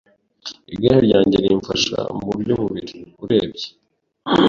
Igare ryanjye rimfasha mu buryo bubiri urebye